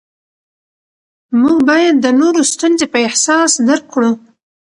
موږ باید د نورو ستونزې په احساس درک کړو